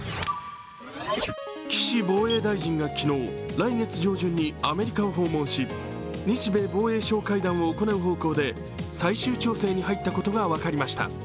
岸防衛大臣が昨日来月上旬にアメリカを訪問し日米防衛相会談を行う方向で最終調整に入ったことが分かりました。